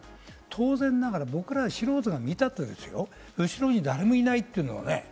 当然ながら素人が見たってですよ、後ろに誰もいないっていうのはね。